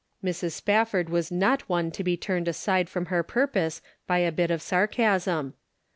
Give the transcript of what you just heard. Mrs. Spafford was not one to be turned aside from her purpose by a bit of sarcasm.